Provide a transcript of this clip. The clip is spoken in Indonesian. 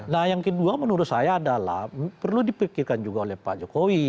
nah yang kedua menurut saya adalah perlu dipikirkan juga oleh pak jokowi